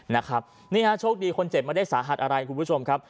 นะครับนี่ฮะโชคดีคนเจ็บไม่ได้สาหัสอะไรคุณผู้ชมครับ